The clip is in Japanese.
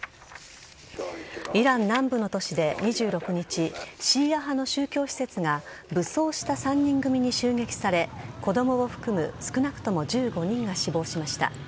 イラン南部の都市で２６日シーア派の宗教施設が武装した３人組に襲撃され子供を含む少なくとも１５人が死亡しました。